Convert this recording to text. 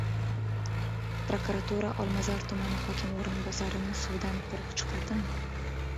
Prokuratura Olmazor tumani hokimi o‘rinbosarini suvdan quruq chiqardimi?